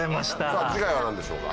さぁ次回は何でしょうか？